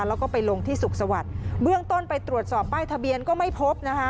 แล้วก็ไปลงที่สุขสวัสดิ์เบื้องต้นไปตรวจสอบป้ายทะเบียนก็ไม่พบนะคะ